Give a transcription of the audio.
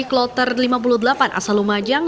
kloter lima puluh delapan asalumajang